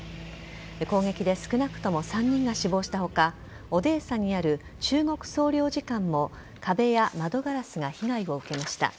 攻撃で少なくとも３人が死亡した他オデーサにある中国総領事館も壁や窓ガラスが被害を受けました。